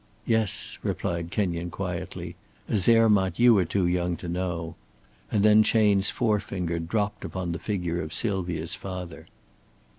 "Yes," replied Kenyon, quietly, "a Zermatt you are too young to know," and then Chayne's forefinger dropped upon the figure of Sylvia's father.